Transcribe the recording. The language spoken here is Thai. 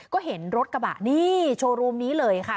ก็เห็นรถกระบะนี่โชว์รูมนี้เลยค่ะ